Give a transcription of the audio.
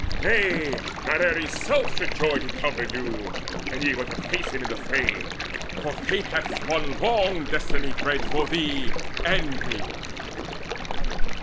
Nay, Not Ares' self should joy to encounter you, An ye would face him in the fray; for Fate Hath spun long destiny threads for thee and thee."